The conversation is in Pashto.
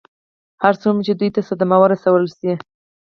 هر څومره چې دوی ته صدمه ورسول شي.